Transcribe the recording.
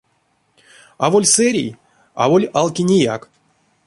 Аволь сэрей, аволь алкинеяк.